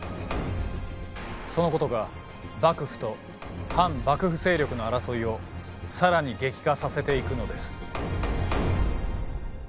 そのことが幕府と反幕府勢力の争いを更に激化させていくのです。